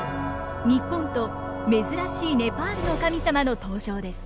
日本と珍しいネパールの神様の登場です。